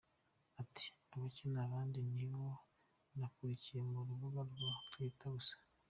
Ati “Abake nanditse ni abo nakurikiye ku rubuga rwa Twitter gusa.